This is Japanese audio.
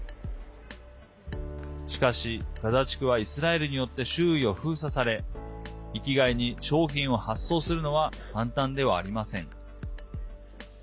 しかし、ガザ地区はイスラエルによって周囲を封鎖され域外に商品を発送するのは簡単ではありません。